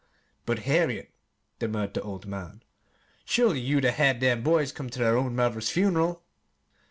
"But, Harriet," demurred the old man, "surely you'd 'a' had them boys come ter their own mother's fun'ral!"